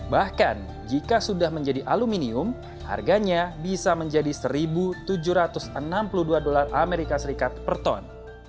bahkan jika sudah menjadi aluminium harganya bisa menjadi satu tujuh ratus enam puluh dua dolar as per ton